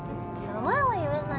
名前は言えない。